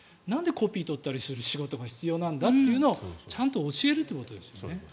なんでコピー取ったりする仕事が必要なんだということをちゃんと教えるということですね。